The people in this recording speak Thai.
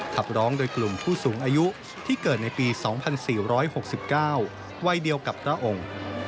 ขับร้องโดยกลุ่มผู้สูงอายุที่เกิดในปี๒๔๖๙วัยเดียวกับพระองค์